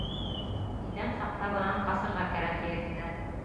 Иҫән саҡта бынан ҡасырға кәрәк, егеттәр!